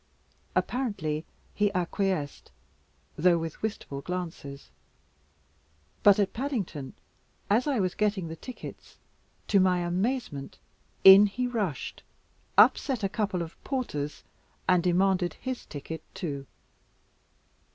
Apparently he acquiesced, though with wistful glances; but at Paddington, as I was getting the tickets, to my amazement in he rushed, upset a couple of porters, and demanded his ticket too.